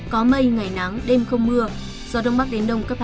có mây ngày nắng đêm không mưa gió đông bắc đến đông cấp ba